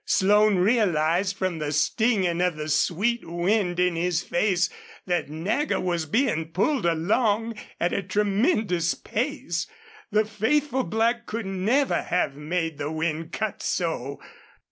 Slone realized, from the stinging of the sweet wind in his face, that Nagger was being pulled along at a tremendous pace. The faithful black could never have made the wind cut so.